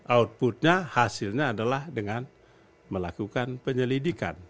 outputnya hasilnya adalah dengan melakukan penyelidikan